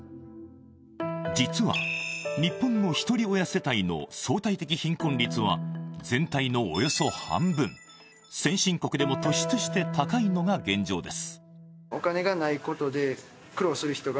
実は日本のひとり親世帯の相対的貧困率は全体のおよそ半分、先進国でも突出して高いのが現状です。